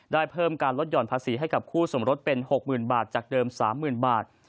ได้เพิ่มการลดห่อนภาษีให้กับคู่สมรสเป็น๖๐๐๐บาทจากเดิม๓๐๐๐บาท